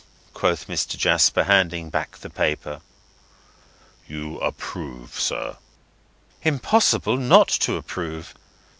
quoth Mr. Jasper, handing back the paper. "You approve, sir?" "Impossible not to approve.